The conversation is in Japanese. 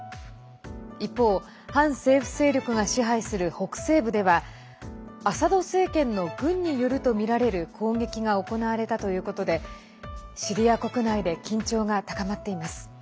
一方、反政府勢力が支配する北西部ではアサド政権の軍によるとみられる攻撃が行われたということでシリア国内で緊張が高まっています。